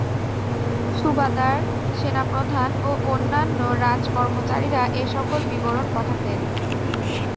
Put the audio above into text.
সুবাদার, সেনাপ্রধান ও অন্যান্য রাজকর্মচারীরা এ সকল বিবরণ পাঠাতেন।